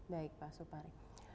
baik pak supari